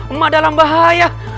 emak dalam bahaya